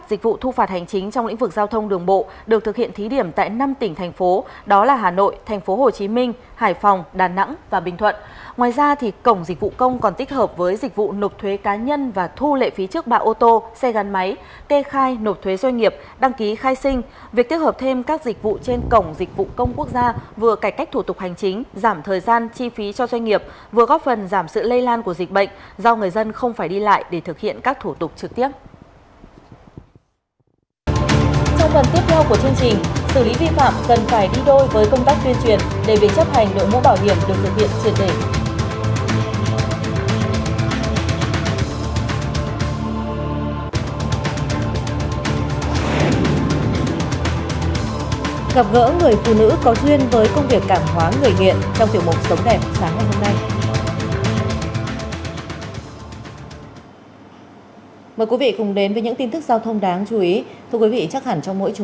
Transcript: việc thu phạt xử lý vi phạm hành chính trong lĩnh vực giao thông đường bộ cũng nằm trong số các dịch vụ tích hợp trên hệ thống này